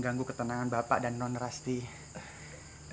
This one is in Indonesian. emang bener bener kelewatan tuh pramok